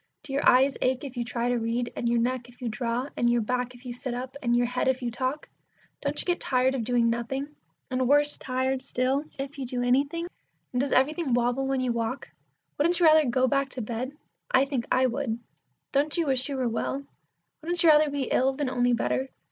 Do your eyes ache if you try to read, and your neck if you draw, and your back if you sit up, and your head if you talk? Don't you get tired of doing nothing, and worse tired still if you do anything; and does everything wobble about when you walk? Wouldn't you rather go back to bed? I think I would. Don't you wish you were well? Wouldn't you rather be ill than only better?